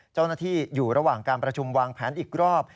เจ้าหน้าที่อยู่ระหว่างการประชุมวางแผนอีกรอบ